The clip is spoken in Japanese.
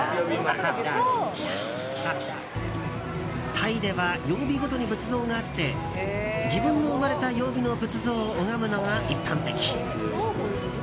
タイでは曜日ごとに仏像があって自分の生まれた曜日の仏像を拝むのが一般的。